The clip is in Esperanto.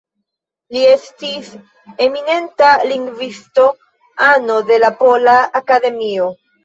Li estis eminenta lingvisto, ano de la Pola Akademio.